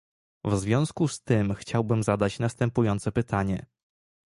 W związku z tym chciałbym zadać następujące pytanie